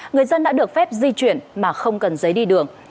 người dân đã được phép di chuyển mà không cần giấy đi đường